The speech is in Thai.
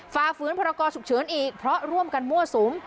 ฝ่าฝืนพรกรฉุกเฉินอีกเพราะร่วมกันมั่วสุม